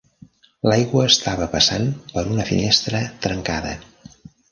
L"aigua estava passant per una finestra trencada.